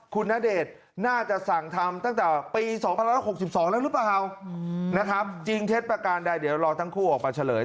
คุณณเดชน์น่าจะสั่งทำตั้งแต่ปี๒๑๖๒แล้วหรือเปล่านะครับจริงเท็จประการใดเดี๋ยวรอทั้งคู่ออกมาเฉลย